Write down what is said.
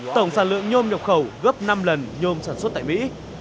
tổng sản lượng nhôm nhập khẩu gấp năm lần nhôm sản xuất tại mỹ